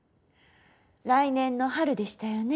来年の春でしたよね？